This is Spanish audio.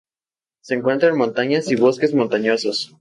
Se encuentra en montañas y bosques montañosos.